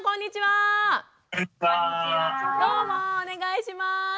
お願いします。